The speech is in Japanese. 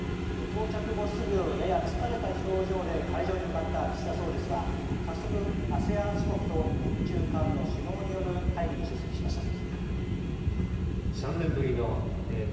到着後すぐ、やや疲れた表情で会場に向かった岸田総理ですが早速、ＡＳＥＡＮ諸国と日中韓の首脳による会議に出席しました。